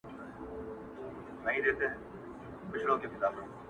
تا ګټلی ما بایللی جنګ هغه د سترګو جنګ دی,